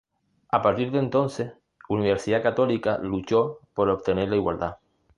A partir de entonces, Universidad Católica luchó por obtener la igualdad.